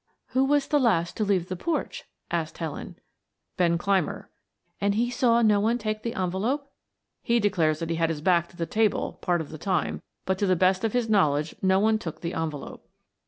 "Who was the last to leave the porch?" asked Helen. "Ben Clymer." "And he saw no one take the envelope?" "He declares that he had his back to the table, part of the time, but to the best of his knowledge no one took the envelope."